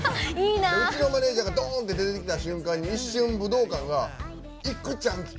マネージャーがドーンって出てきた瞬間に一瞬、武道館がいくちゃんきた！